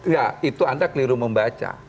ya itu anda keliru membaca